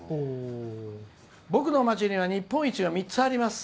「僕の町には日本一が３つあります。